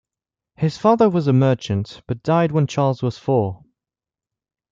His father was a merchant but died when Charles was four.